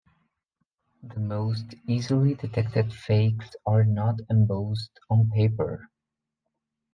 The most easily detected fakes are not embossed on paper.